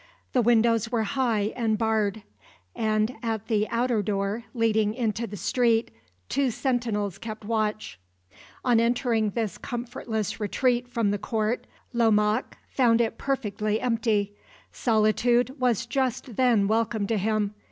The windows were high and barred; and at the outer door, leading into the street, two sentinels kept watch. On entering this comfortless retreat from the court, Lomaque found it perfectly empty. Solitude was just then welcome to him.